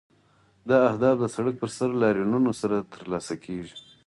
دا اهداف د سړک پر سر لاریونونو سره ترلاسه کیږي.